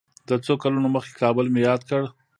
د څو کلونو مخکې کابل مې یاد کړ.